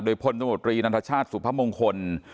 โดยพลตมตรีนันทชาติสุพมงคล